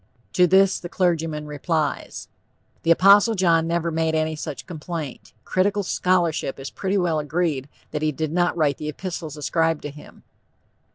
To this the clergyman replies: "The Apostle John never made any such complaint. Critical scholarship is pretty well agreed that he did not write the epistles ascribed to him."